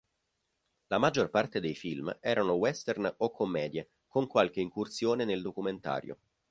La maggior parte dei film erano western o commedie, con qualche incursione nel documentario.